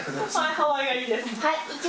ハワイがいいです。